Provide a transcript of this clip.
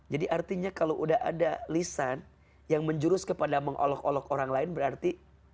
jadi artinya kalau udah ada lisan yang menjurus kepada mengolok olok orang lain berarti